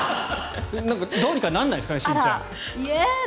どうにかならないですかね